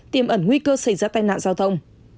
tiềm ẩn nguy cơ xảy ra tai nạn giao thông